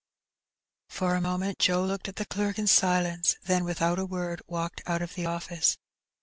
For a moment Joe looked at the clerk in silence, then, without a word, walked out of the office.